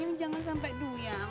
yang ini jangan sampai duyang